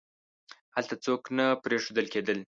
هلته څوک نه پریښودل کېدل.